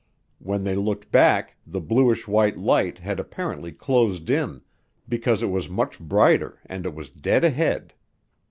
When they looked back, the bluish white light had apparently closed in because it was much brighter and it was dead ahead.